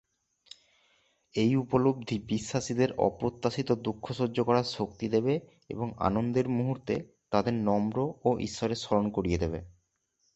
এই উপলব্ধি বিশ্বাসীদের অপ্রত্যাশিত দুঃখ সহ্য করার শক্তি দেবে এবং আনন্দের মুহুর্তে তাদের নম্র ও ঈশ্বরের স্মরণ করিয়ে দেবে।